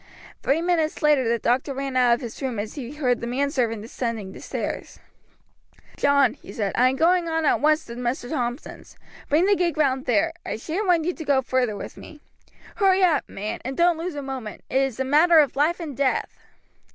Three minutes later the doctor ran out of his room as he heard the man servant descending the stairs. "John," he said, "I am going on at once to Mr. Thompson's; bring the gig round there. I shan't want you to go further with me. Hurry up, man, and don't lose a moment it is a matter of life and death."